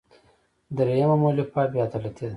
درېیمه مولفه بې عدالتي ده.